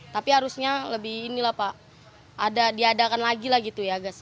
tapi harusnya lebih ini lah pak diadakan lagi lah gitu ya gasnya